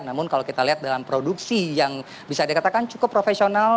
namun kalau kita lihat dalam produksi yang bisa dikatakan cukup profesional